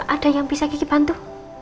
ada yang bisa gigi bantu